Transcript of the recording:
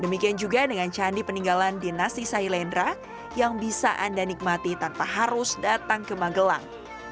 demikian juga dengan candi peninggalan di nasi sailendra yang bisa anda nikmati tanpa harus datang ke magelang